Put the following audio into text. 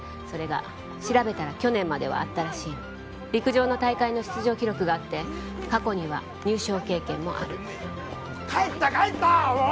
それが調べたら去年まではあったらしいの陸上の大会の出場記録があって過去には入賞経験もある帰った帰ったもう！